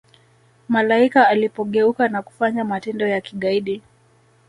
malaika alipogeuka na kufanya matendo ya kigaidi